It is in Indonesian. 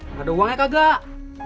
nggak ada uangnya kagak